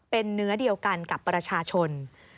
เป็นเนื้อเดียวกันกับประชาชน